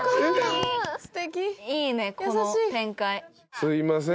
すいません。